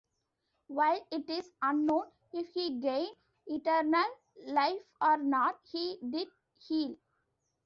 While it is unknown if he gained eternal life or not, he did heal.